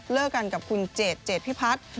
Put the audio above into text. เลิกกันกับคุณเจ็ดเจ็ดพิพัฒน์